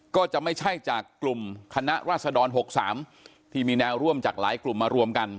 ก็จะไม่ใช่จากกลุ่มคณะราษฎร๖๓ที่มีแนวร่วมจากหลายกลุ่มมารวมกัน